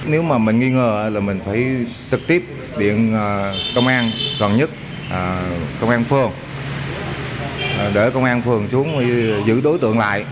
nếu mà mình nghi ngờ là mình phải trực tiếp điện công an gần nhất công an phường để công an phường xuống giữ đối tượng lại